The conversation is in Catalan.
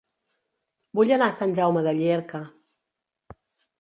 Vull anar a Sant Jaume de Llierca